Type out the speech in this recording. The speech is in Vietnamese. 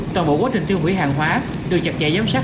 toàn bộ quá trình tiêu hủy hàng hóa được chặt dạy giám sát